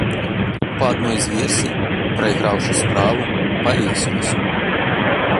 Па адной з версій, прайграўшы справу, павесілася.